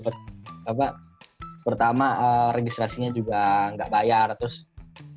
pertama registrasinya juga nggak bayar pertama registrasinya juga nggak bayar pertama registrasinya juga nggak bayar